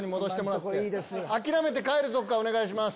諦めて帰るとこからお願いします。